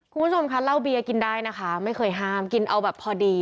คุณผู้ชมคะเหล้าเบียกินได้นะคะไม่เคยห้ามกินเอาแบบพอดี